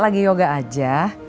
lagi yoga aja